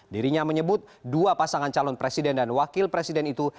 dirinya menyebut dua pasangan calon presiden dan wakil presiden itu